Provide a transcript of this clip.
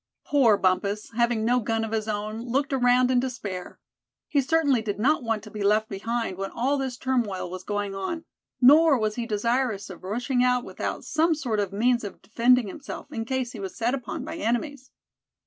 Poor Bumpus, having no gun of his own, looked around in despair. He certainly did not want to be left behind when all this turmoil was going on; nor was he desirous of rushing out without some sort of means of defending himself, in case he was set upon by enemies.